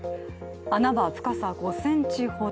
穴は深さ５ｃｍほど。